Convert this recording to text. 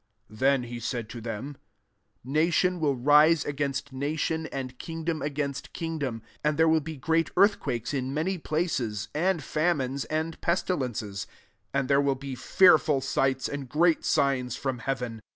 10 Then be sidd to them, "Nation will rise against nation, and kingdom against kingdom : 11 and there will be great earthquakes in many places, and famines, and pestilences; and there will be fearful sights and great slg^s from heaven.